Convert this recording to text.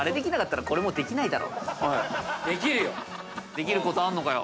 できることあるのかよ？